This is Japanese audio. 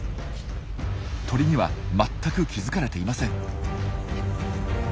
鳥には全く気付かれていません。